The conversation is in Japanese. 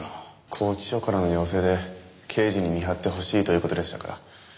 拘置所からの要請で刑事に見張ってほしいという事でしたから。